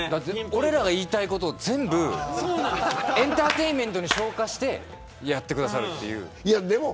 俺らが言いたいことを全部エンターテインメントに昇華してやってくださっている。